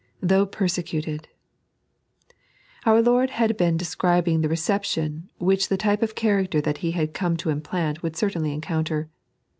Though Feriecuied. Our Lord had been describing the reception which the type of character that He had come to implant would certainly encounter.